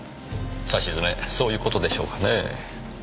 さしずめそういう事でしょうかねぇ。